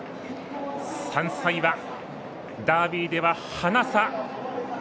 ３歳馬、ダービーではハナ差。